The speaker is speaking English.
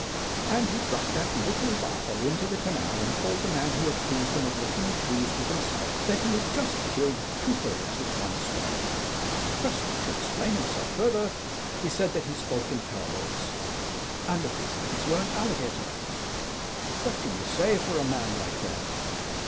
And he dropped that little bottle into the canal, and told the man who accused him of looking pleased with himself that he had just killed two birds with one stone. Pressed to explain himself further, he said that he spoke in parables, and that these things were an alligator. What can you say for a man like that?